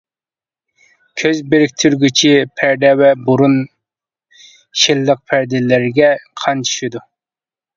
كۆز بىرىكتۈرگۈچى پەردە ۋە بۇرۇن شىللىق پەردىلىرىگە قان چۈشىدۇ.